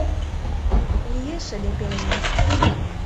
Лиеш ыле пеленет.